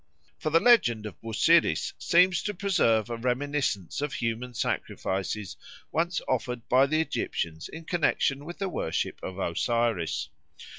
For the legend of Busiris seems to preserve a reminiscence of human sacrifices once offered by the Egyptians in connexion with the worship of Osiris.